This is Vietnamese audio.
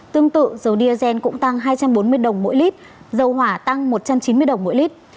tương tự dầu diesel cũng tăng hai trăm bốn mươi đồng mỗi lít dầu hỏa tăng một trăm chín mươi đồng mỗi lít